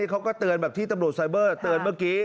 เขาก็เตือนแบบที่ตำรวจไซเบอร์เตือนเมื่อกี้